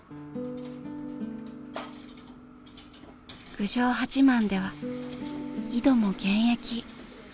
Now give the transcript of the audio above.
郡上八幡では井戸も現役。